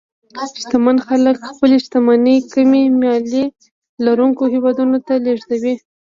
شتمن خلک خپلې شتمنۍ کمې مالیې لرونکو هېوادونو ته لېږدوي.